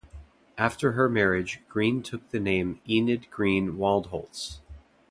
After her marriage, Greene took the name "Enid Greene Waldholtz".